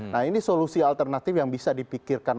nah ini solusi alternatif yang bisa dipikirkan